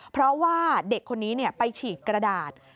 เพราะว่าเด็กคนนี้ไปฉีกกระดาษ